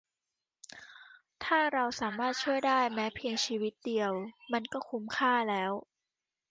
ถ้าเราสามารถช่วยได้แม้เพียงชีวิตเดียว มันก็คุ้มค่าแล้ว